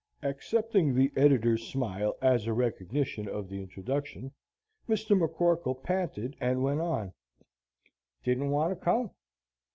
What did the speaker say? Accepting the editor's smile as a recognition of the introduction, Mr. McCorkle panted and went on: "Didn't want to come!